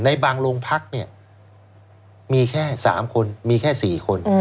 ในบางโรงพักเนี่ยมีแค่๓คนมีแค่๔คน